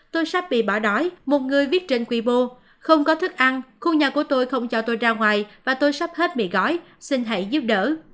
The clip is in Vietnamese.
tôi sắp bị bỏ đói một người viết trên quy mô không có thức ăn khu nhà của tôi không cho tôi ra ngoài và tôi sắp hết bị gói xin hãy giúp đỡ